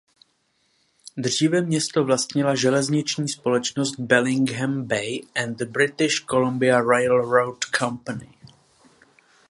Dříve město vlastnila železniční společnost Bellingham Bay and British Columbia Railroad Company.